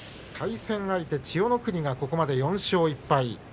千代の国がここまで４勝１敗。